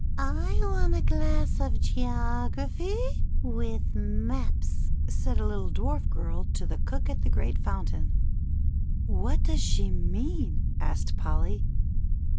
want a glass of Geography, with Maps," said a little dwarf girl to the cook at the great foun tain. What does she mean ?" asked Polly.